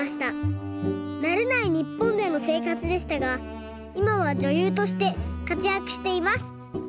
なれないにっぽんでのせいかつでしたがいまはじょゆうとしてかつやくしています。